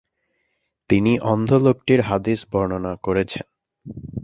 তিনি অন্ধ লোকটির হাদীস বর্ণনা করেছেন।